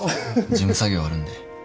事務作業あるんで。